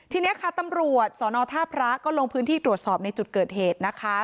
ทีนี้ค่ะตำรวจสนท่าพระก็ลงพื้นที่ตรวจสอบในจุดเกิดเหตุนะคะ